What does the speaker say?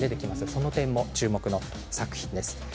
その点も注目の作品です。